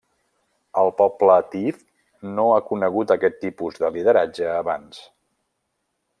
El poble tiv no havia conegut aquest tipus de lideratge abans.